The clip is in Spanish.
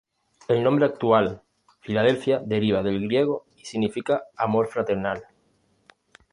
El nombre actual "Filadelfia" deriva del griego y significa "amor fraternal".